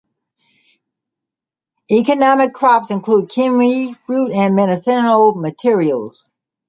Economic crops include Kiwifruit and medicinal materials.